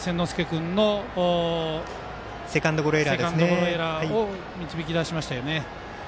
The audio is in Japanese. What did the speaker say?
君のセカンドゴロエラーを導き出しましたよね。